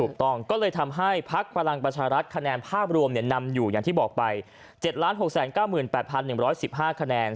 ถูกต้องก็เลยทำให้พักพลังประชารัฐคะแนนภาพรวมนำอยู่อย่างที่บอกไป๗๖๙๘๑๑๕คะแนน